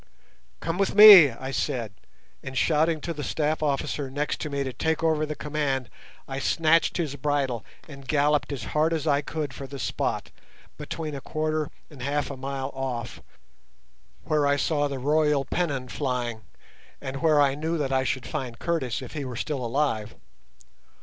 "Come with me," I said, and, shouting to the staff officer next to me to take over the command, I snatched his bridle and galloped as hard as I could for the spot, between a quarter and half a mile off, where I saw the royal pennon flying, and where I knew that I should find Curtis if he were still alive.